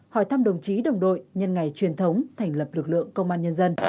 hỏi thăm đồng chí đồng đội nhân ngày truyền thống thành lập lực lượng công an nhân dân